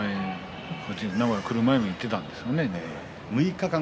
名古屋に来る前も行っていたんですね。